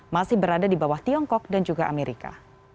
masih berada di bawah tiongkok dan juga amerika